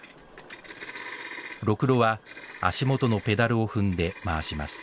ろくろは足元のペダルを踏んで回します。